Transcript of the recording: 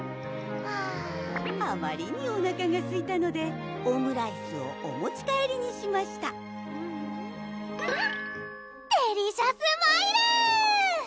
あまりにおなかがすいたのでオムライスをお持ち帰りにしましたデリシャスマイル！